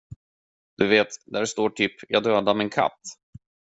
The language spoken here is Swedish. Du vet, där det står typ, jag dödade min katt.